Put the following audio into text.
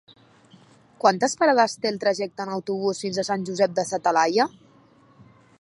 Quantes parades té el trajecte en autobús fins a Sant Josep de sa Talaia?